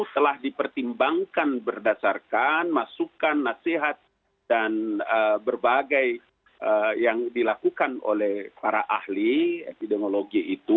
telah dipertimbangkan berdasarkan masukan nasihat dan berbagai yang dilakukan oleh para ahli epidemiologi itu